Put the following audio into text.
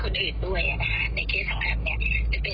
ก็ต้องรับเป็นทั้งหมดนะคะส่วนตอนแรกที่คุณพัฒน์ทำกับท่านทนายคนอื่นด้วย